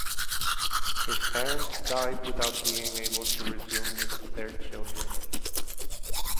His parents died without being able to resume with their children.